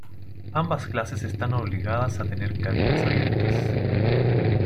Ambas clases están obligadas a tener cabinas abiertas.